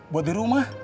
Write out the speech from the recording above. buat di rumah